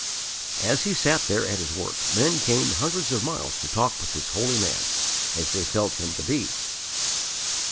As he sat there at his work, men came hundreds of miles to talk with this holy man, as they felt him to be.